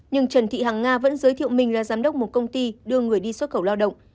nhưng trần thị hằng nga vẫn giới thiệu mình là giám đốc một công ty đưa người đi xuất khẩu lao động